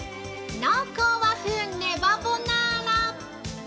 濃厚和風ねばボナーラ！